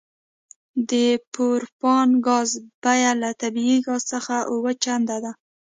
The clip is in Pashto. د پروپان ګاز بیه له طبیعي ګاز څخه اوه چنده ده